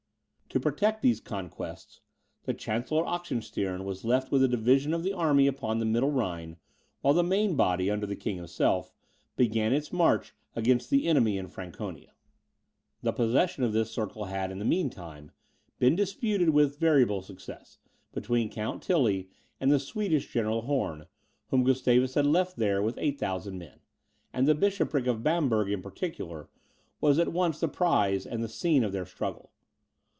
To protect these conquests, the chancellor Oxenstiern was left with a division of the army upon the Middle Rhine, while the main body, under the king himself, began its march against the enemy in Franconia. The possession of this circle had, in the mean time, been disputed with variable success, between Count Tilly and the Swedish General Horn, whom Gustavus had left there with 8,000 men; and the Bishopric of Bamberg, in particular, was at once the prize and the scene of their struggle.